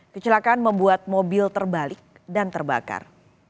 kecelakaan membuat mobil terbalik dan terbakar